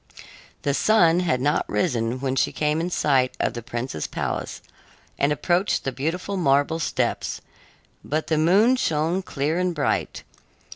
The sun had not risen when she came in sight of the prince's palace and approached the beautiful marble steps, but the moon shone clear and bright.